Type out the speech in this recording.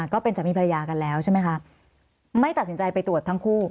ก็เป็นสามีภรรยากันแล้วใช่ไหมคะไม่ตัดสินใจไปตรวจทั้งคู่